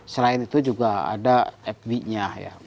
selain itu juga ada fb nya ya